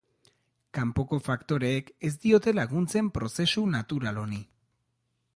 Kanpoko faktoreek ez diote laguntzen prozesu natural honi.